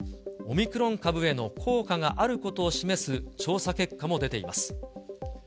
オミクロン株への効果があることを示す調査結果も出ています。